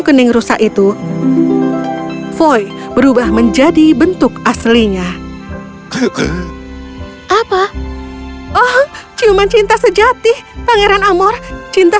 kening rusak itu boy berubah menjadi bentuk aslinya keke apa oh cuman cinta sejati pangeran amor cinta